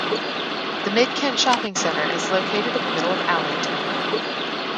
The Mid Kent Shopping Centre is located in the middle of Allington.